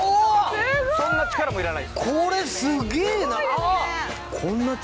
そんな力もいらないです。